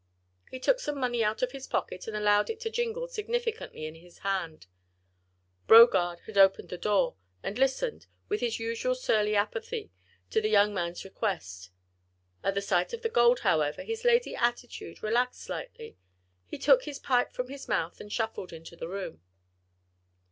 He took some money out of his pocket, and allowed it to jingle significantly in his hand. Brogard had opened the door, and listened, with his usual surly apathy, to the young man's request. At sight of the gold, however, his lazy attitude relaxed slightly; he took his pipe from his mouth and shuffled into the room.